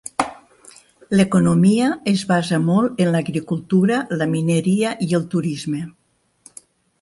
L'economia es basa molt en l'agricultura, la mineria i el turisme.